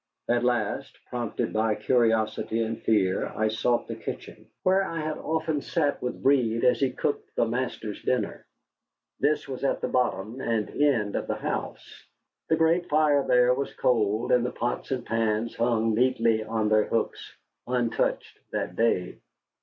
At last, prompted by curiosity and fear, I sought the kitchen, where I had often sat with Breed as he cooked the master's dinner. This was at the bottom and end of the house. The great fire there was cold, and the pots and pans hung neatly on their hooks, untouched that day.